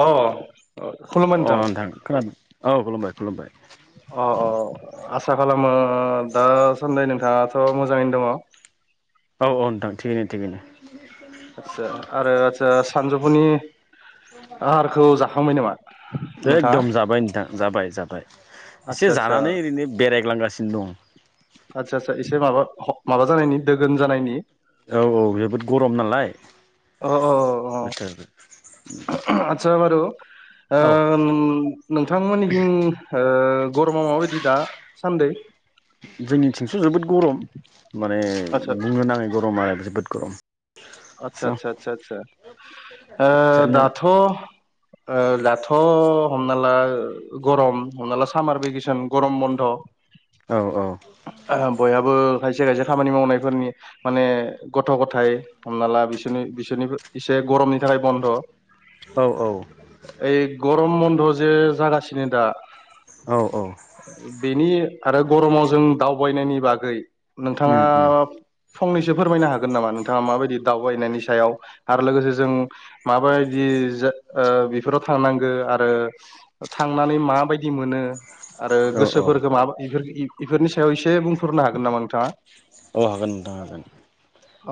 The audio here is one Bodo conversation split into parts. अ खुलुमबाय अ नोंथां खोनादों औ खुलुमबाय खुलुमबाय औ औ आसा खालामो दासान्दि नोंथाङाथ' मोजाङैनो दङ औ औ नोंथां थिगैनो थिगैनो आचसा आरो आचसा सानजौफुनि आहारखौ जाखांबाय नामा? नोंथाङा एकदम जाबाय नोंथां जाबाय जाबाय आदसा एसे आदसा जानानै ओरैनो बेरायग्लांगासिनो दं। आदसा आदसा एसे माबा माबा जानायनि दोगोन जानायनि औ औ जोबोद गरम नालाय अ अ बोथोर अ आतसा बारु औ ओन नोंथांमोननि खिं ओ गरमा माबायदि दा सान्दै? जोंनिथिंस' जोबोद गरम माने आदसा बुंनो नाङै गरम आरो जोबोद गरम। आतसा स आतसा आदसा आदसा ओ आदसा नों दाथ' ओ दाथ' हमना ला गरम हमना ला सामार भेकेसन गरम बन्द औ औ बयहाबो खायसे खायसे खामानि मावनायफोरनि माने गथ' गथाय हमना ला बिसोरनि बिसोरनिबो एसे गरमनि थाखाय बन्द' औ औ ओइ गरम बन्द जे जागासिनो दा औ औ बेनि आरो गरमाव जों दावबायनायनि बागै नोंथाङा उम उम फंनैसो फोरमायनो हागोन नामा नोंथाङा माबायदि दावबायनायनि सायाव आरो लोगोसे जों माबायदि जा ओ बेफोराव थांनांगो आरो ओ थांनानै माबायदि मोनो? आरो औ औ गोसोफोरखौ माबा इफोर इफोरनि सायाव एसे बुंफोरनो हागोन नामा नोंथाङा? अ हागोन नोंथां हागोन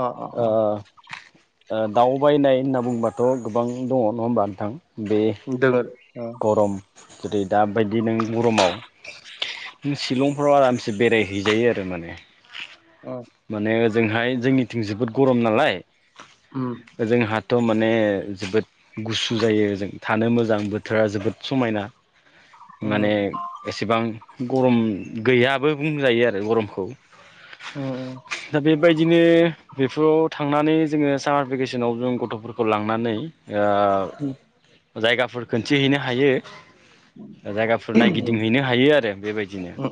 अ अ ओ अ ओ दावबायनाय होनना बुंबाथ' गोबां दङ नङा होमबा नोंथां बे दोङो ओ गरम जेरै दाबायदि नों गरमाव नों सिलंफ्राव आरामसे बेरायहैजायो आरो माने ओ माने ओजोंहाय जोंनिथिं जोबोद गरम नालाय उम ओजोंहा थ' माने जोबोद गुसु जायो जों थानो मोजांबो बोथोरा जोबोद समायना माने उम एसेबां गरम गैयाबो बुंजायो आरो गरमखौ उम उम दा बेबायदिनो बेफोराव था थांनानै जोङो सामार भेकेसनाव जों गथ'फोरखौ लांनानै उम ओ जायगाफोर खोन्थिहैनो हायो। जायगाफोर उम नायगिदिंहैनो हायो आरो बेबायदिनो उम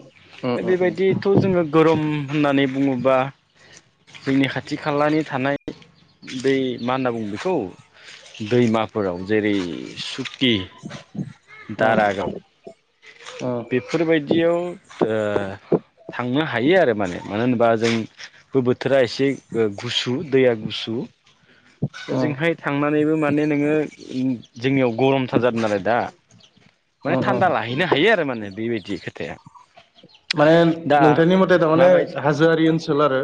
दा बेबायदिथ' जोङो गरम होननानै बुङोबा जोंनि खाथि खालानि थानाय बै मा होनना बुङो बेखौ दैमाफोराव जेरै सुकि उम दारागाव बिफ फोर बायदियाव ओ थांनो हायो आरो माने मानो होनबा जों बो बोथोरा एसे ओ गुसु दैया गुसु उम ओजोंहाय थांनानैबो माने नोङो उम जोंनियाव गरमथार जादों नालाय दा माने उम थान्दा उम लाहै हैनो हायो आरो माने बेबायदि खोथाया माने दा नोंथांनि मटे टामाने माबायदि हाजोआरि ओनसोल आरो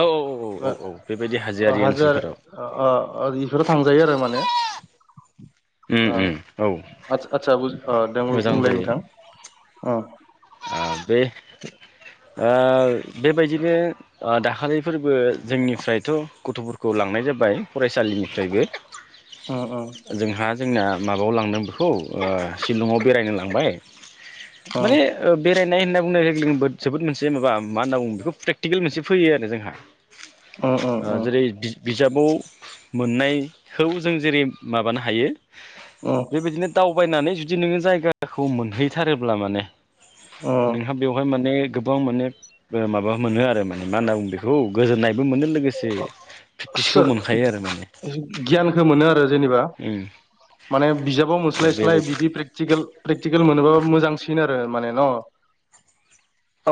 औ औ औ बेबायदि हाजोआरि ओनसोलफोराव अ ओ ओ इफोराव थांजायो आरो माने उम उम औ आच आचसा बुज ओ दे बुं मोजां बुंलाय जायो नोंथां ओ ओ बे ओ बेबायदिनो ओ दाखालिफोरबो जोंनिफ्रायथ' गथ'फोरखौ लांनाय जाबाय फरायसालिनिफ्रायबो। अम अम। जोंहा जोंना माबायाव लांदों बेखौ ओ शिलंआव बेरायनो लांबाय। अ माने ओ बेरायनाय होनना बुंनाय लोगो जोबोद मोनसे माबा मा होनना बुङो बेखौ प्रेकटिकेल मोनसे फैयो आरो जोंहा। अ ओ जेरै दि बिजाबाव मोननायखौ जों जेरै माबानो हायो। उम। बेबायदिनो दावबायनानै जुदि नोङो जायगाखौ मोनहैथारोब्ला माने अ नोंहा बेवहाय माने गोबां माने ओ माबा मोनो आरो माने मा होनना बुङो बेखौ गोजोननायबो मोनो लोग अ सो माने गियानखो मोनो आरो जेनेबा उम माने बिजाबाव मोनस्लायस्लाय बेबायदि बिदि प्रेक्टिकेल प्रेक्टिकेल मोनोबा मोजांसिन आरो माने न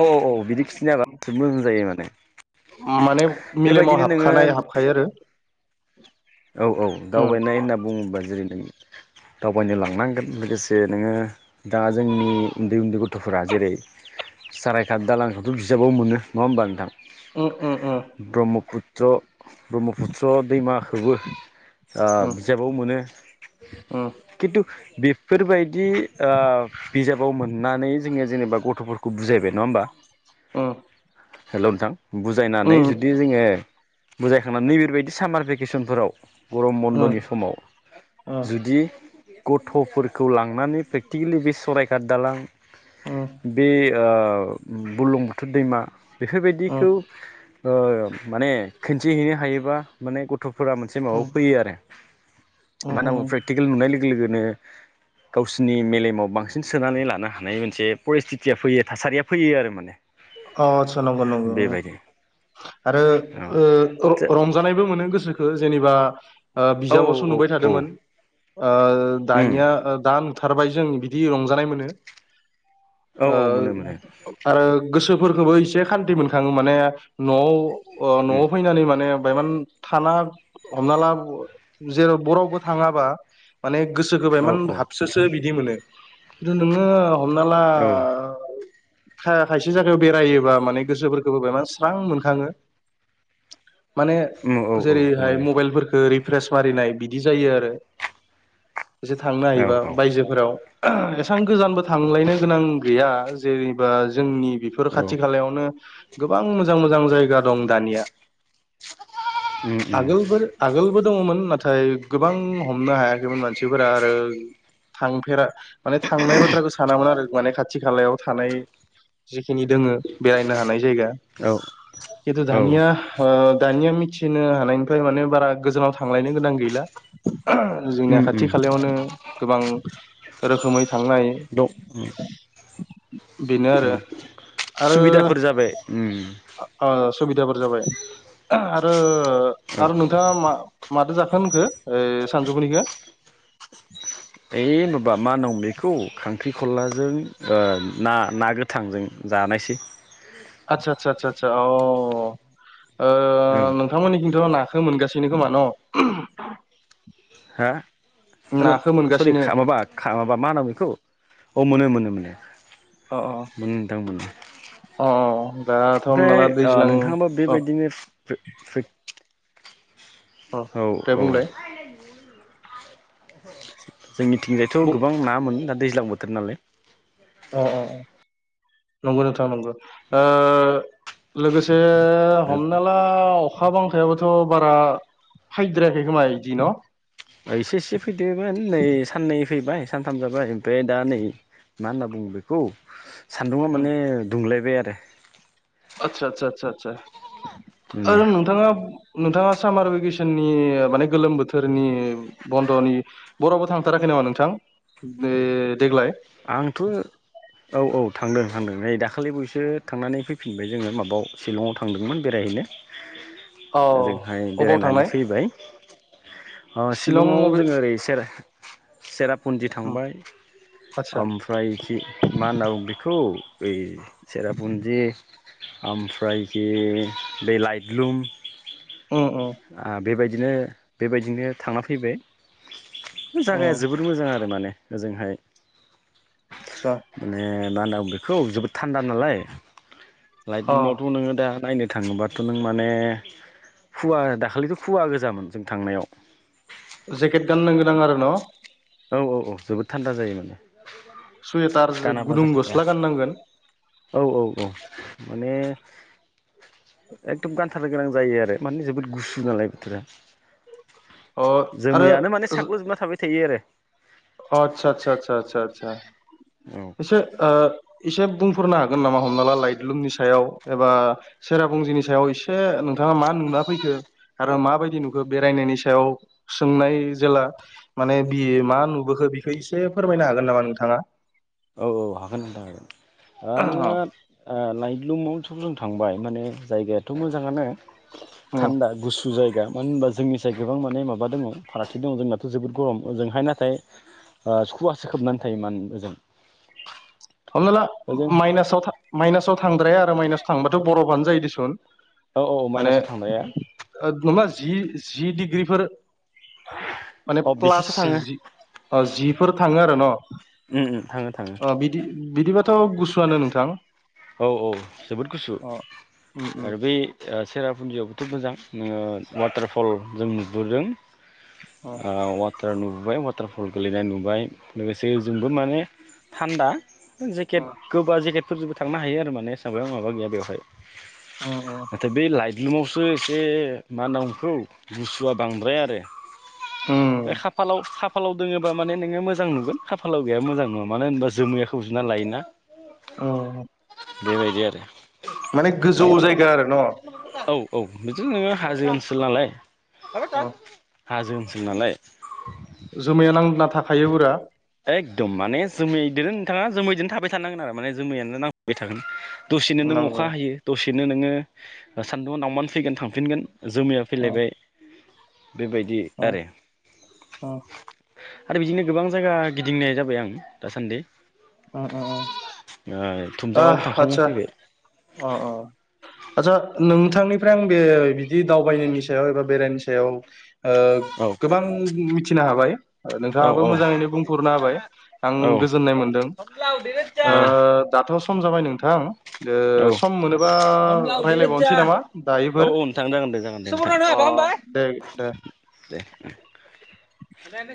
औ औ बिदि खिथिनो हाबासो मोजां जायो माने माने मेलेमाव बेबायदिनो नोङो हाबखानाय हाबखायो आरो औ औ उम दावबायनाय होनना बुङोब्ला जेरै नों दावबायनो लांनांगोन लोगोसे नोङो दा जोंनि उन्दै उन्दै गथ'फोरा जेरै सारायघाट दालांखौथ' बिजाबाव मोनो नङा होमबा नोंथां? ओम ओम ओम। ब्रह्मपुत्र ब्रह्मपुत्र दैमा। ओ उम बिजाबाव मोनो उम खिन्थु बे बेफोरबायदि आ बिजाबाव मोननानै जोंङो जेनेबा गथ'फोरखौ बुजायबाय नंङा होमबा? उम हेल' नोंथां बुजायनानै उम जुदि उम जोंङो बुजायखांनानै नैबेबायदि सामार बेेके बेकेसनफोराव गरम उम बन्द'नि समाव जुदि गथ'फोरखौ लांनानै प्रेक्टिकेलि बे सरायकाट दालां बे बुर्लुंबुथुर दैमा उम बेफोरबायदिखौ ओ माने खोनन्थिहैनो हायोबा माने गथ'फोरा मोन माबायाव उम फैयो आरो उम मानो होनना बो उम प्रेकटिकेल नुनाय लोगो लोगोनो गावसिरनि मेलेमाव बांसिन सोनानै लानो हानाय मोनसे परिस्थिथिया फैयो थासारिया फैयो आरो माने। अ आतसा नंगौ नंगौ। बेबायदि आरो ओ रंजानायबो मोनो गोसोखो जेनेबा ओ औ औ बिजाबावसो नुबाय औ थादोंमोन उम दानिया दा नुथारबाय जों बिदि रंजानाय मोनो। औ ओ औ मोनो मोनो आरो गोसोफोरखौबो एसे खान्थि मोनखांङो माने न'आव ओ उम न'आव फैनानै माने बायमान थाना हमना ला जेराव बर'बो थांङाबा माने गोसो गोबाय औ इमान औ हाबसोसो बिदि मोनो खिन्थु नोंङो हमना ला औ उम खायसे जायगायाव बेरायोबा माने गोसोफोरखौबोा स्रां मोनखांङो माने औ औ जेरैहाय मोनो मबाइलफोरखौ फ्रेस मारिनाय बिदि जायो आरो। एसे थांनो औ हायोबा औ बायजोफोराव। एसेबां गोजानबो थांलायनो गोनां गैया जेनेबा जोंनि बेफोर औ खाथि खालायावनो गोबां मोजां मोजां जायगा दं दानिया। उम उम आगोलफोर आगोलबो दंङमोन नाथाय गोबां हमनो हायाखैमोन मानसिफोरा आरो थांफेरा माने थांनाय बाथ्राखौ सानामोन आरो माने खाथि खालायाव थानाय जिखिनि दोंङो बेरायनो हानाय जायगा। औ खिन्थु औ दानिया दानिया मिथिनो हानायनिफ्राय माने बारा गोजानाव थांलायनो गोनां गैला। उम जोंनि खाथि उम खालायावनो गोबां रोखोमै थांनाय दं उम बेनो आरो। आरो सुबिदाफोर जाबाय उम सुबिदाफोर जाबाय आरो औ आरो नोंथांङा मा माथो जाखो होनखो ओ सानजौफुनिखो है माबा मा होन' बेखौ खांख्रिखलाजों ना ना गो थांजों जानायसै आदसा आदसा आदसा आदसा अ ओं ओ नों थांमोननिथिंथ' नाखौ मोनगासिनो खोमा न'? हा ओ नाखो सरि मोनगासिनो माबा माबा मा होनांग बेखौ अ मोनो मोनो मोनो मोनो अ उम नोंथां उम। अ दाथ' हमना ओमफ्राय ला दैज्लां नोंथांङा दा अ बेबायदिनो फे अ औ दे औ। बुंलाय जोंनिथिंजायथ' बुं गोबां नाामोन दा दैज्लां बोथोर नालाय। अ अ नंगौ नोंथां नंगौ ओ लोगोसे हमना ला अखा बांखाबोथ' बारा हायद्रायाखै खोमा बिदि न? एसे इसे फैदोंमोन नै साननै फैबाय सानथाम जाबाय ओमफ्राय दा नै मा होनना बुंङो बेखौ सान्दुङआ माने दुंलायबाय आरो। आदसा आदसा आदसा आदसा ओ माने जे नोंथांङा नोंथांङा सामार भेकेसननि माने गोलोम बोथोरनि बन्दनि बर'बाव थांथाराखै नामा नोंथां? देग्लाय आंथ' औ औ थांदों थांदों नै दाखालि बायैसो थांनानै फैफिनबाय जोङो। माबायाव शिलंआव थांदोंमोन, बेरायहैनो [inaudible] ओजोंहाय अबाव थांनाय बेरायनानै फैबाय अ शिलं शिलंआव मबे जोङो ओरै सेर-सेरापुन्जि थांबाय आदसा ओमफ्राय इथि मा होनना बु बेखौ ओइ सेरापुन्जि ओमफ्राय खि बे लाइटलुम उम उम आ बेबायदिनो बेबायदिनो थांना फैबाय। जागाया उम जोबोर मोजां आरो माने ओजोंहाय आतसा माने मा होनना बेखौ जोबोद थान्दा नालाय अ लाइटलुमावथ' नोङो दा नायनो थाङोबाथ' नों माने खुवा दाखालिथ' खुवा गोजामोन जों थांनायाव जेकेट गाननो गोनां आरो न' औ औ औ जोबोद थान्दा जायो माने। सुवेटार गानाबा गुदुं जाखाथ्रा गस्ला गाननांगोन। औ औ औ माने एखदम गानथारनो गोनां जायो आरो माने जोबोद गुसु नालाय बथोरा। अ आरो जोमैयानो माने साग्लोबजोबना थाबाय थायो आरो। अ आदसा आदसा आदसा आदसा आदसा आरो एसे ओ एसे बुंफोरनो हागोन नामा? हमना ला लाइटलुमनि सायाव एबा सेराफुजिनि सायाव एसे नोंथाङा मा नुना फैखो। आरो माबायदि नुखो बेरायनायनि सायाव सोंनाय जेला माने बिए मा नु बोखो बिखै इसे फोरमायनो हागोन नामा नोंथाङा? औ औ हागोन नोथां हागोन ओ नोङो लाइट लुमावथ' जों थांबाय माने जायगायाथ' मोजाङानो उम थान्दा गुसु जायगा मानो होनबा जोंनि साय गोबां माने माबा दङ फारागथि दङ जोंनाथ' जोबोद गरम ओजोंहाय नाथाय ओ सखुवासो खोबनानै थायो माने ओजों। हमनाला ओजों माइनासाव था माइनासाव थांद्राया आरो माइनास थांबाथ' बरफफानो जायोदिसुन औ औ माने माइनासाव थांनाया नङा जि जि डिग्रिफोर माने अ बेसेसो प्लास थाङो जि अ जिफोर थाङो आरो न थाङो थाङो बि बिदिबाथ' गुसुआनो नोंथां औ औ जोबोद गुसु अ उम उम आरो बै सेरापुन्जियाव मोजां नोङो वाटारफल जों नुबोदों अ ओ नुबाय वाटारफल गेलेनाय नुबाय लोगोसे ओजोंबो माने थान्दा अ जेकेट गोबा जेकेटफोरजोंबो थांनो हायो आरो माने एसेबां माबा गैया बेवहाय उम उम नाथाय बै लाइटलुमावसो एसे मा होनांगौखौ गुसुआ बांद्राय आरो बे उम खाफालाव खाफ फालाव दोङोबा माने नोङो मोजां नुगोन खाफालाव गैया मोजां नङा मानो होनबा जोमैङा खोबजोबना लायोना। औ बेबायदि आरो माने गोजौ जायगा आरो न'? औ औ बिदि नोङो हाजो ओनसोल नालाय अ हाजो ओनसोल नालाय जोमैया नांना थाखायो उरा एकदम माने जोमैदो नोंथाङा जोमैजोंनो थाबाय थानांगोन आरो माने जोमैयानो नांफाबबाय थागोन दसेनो नों नंगौ अखा हायो दसेनो नोङो सान्दुं नावमान फैगोन थांफिनगोन जोमैया अ फैलायबाय बेबायदि अ आरो आरो बिदिनो गोबां जायगा गिदिंनाय जाबाय आं दासान्दि उ ओ आ थुमजाङावबो थांखांना आतसा फैबाय अ अ आदसा नोंथांनिफ्राय आं बे बिदि दावबायनायनि सायाव एबा बेरायनि सायाव औ गोबां मिथिनो हाबाय औ नोंथाङाबो औ मोजाङैनो बुंफोरनो हाबाय आं गोजोननाय मोन्दों। [unintelligible] दाथ' सम जाबाय नोंथां सम मोनोबा औ औ रायज्लायबावनोसै औ नामा औ दायोफोर नोंथां जागोन दे जागोन दे अ नोंथां दे दे दे [inaudible]